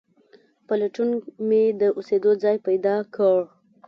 په لټون مې د اوسېدو ځای پیدا کړ.